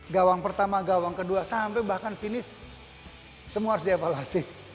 gawang pertama gawang kedua sampai bahkan finish semua harus dievaluasi